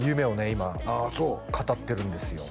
今語ってるんですよ